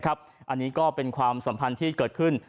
อันนี้ก็เป็นความสัมพันธ์ที่เกิดขึ้น